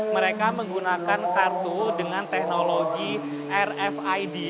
mereka menggunakan kartu dengan teknologi rfid